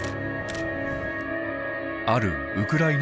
あるウクライナ